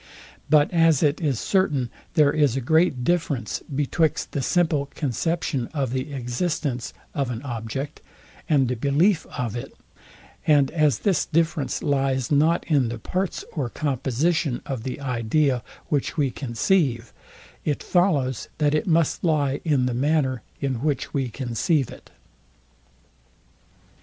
But as it is certain there is a great difference betwixt the simple conception of the existence of an object, and the belief of it, and as this difference lies not in the parts or composition of the idea, which we conceive; it follows, that it must lie in the manner, in which we conceive it.